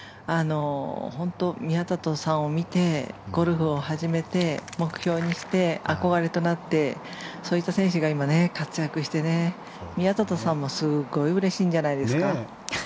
宮里さんを見てゴルフを始めて目標にして、憧れとなってそういった選手が今、活躍して、宮里さんもすごいうれしいんじゃないですか？